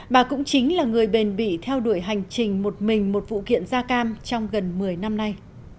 bà cũng chính là người bền bị theo đuổi hành trình một mình một vụ kiện da cam trong gần một mươi năm nay